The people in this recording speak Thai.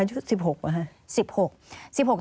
อายุ๑๖นะคะ